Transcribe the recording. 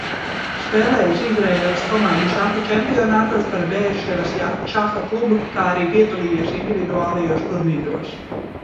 Spēlējis Izraēlas komandu šaha čempionātos par Beerševas šaha klubu, kā arī piedalījies individuālajos turnīros.